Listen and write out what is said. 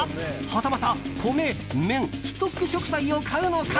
はたまた米、麺ストック食材を買うのか。